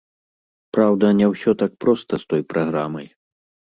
Праўда, не ўсё так проста з той праграмай.